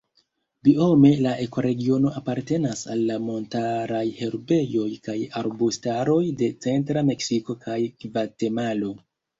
Biome la ekoregiono apartenas al montaraj herbejoj kaj arbustaroj de centra Meksiko kaj Gvatemalo.